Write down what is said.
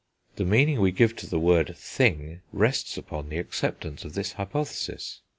The meaning we give to the word thing rests upon the acceptance of this hypothesis.